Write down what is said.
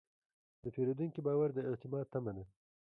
د پیرودونکي باور د اعتماد تمه ده.